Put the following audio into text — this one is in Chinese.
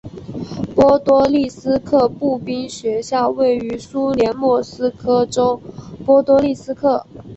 波多利斯克步兵学校位于苏联莫斯科州波多利斯克。